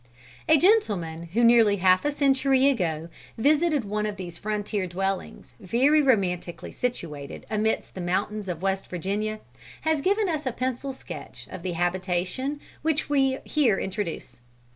A gentleman who nearly half a century ago visited one of these frontier dwellings, very romantically situated amidst the mountains of Western Virginia, has given us a pencil sketch of the habitation which we here introduce.